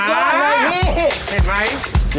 เฮ่ย